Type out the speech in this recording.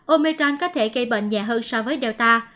omecran có thể gây bệnh nhẹ hơn so với delta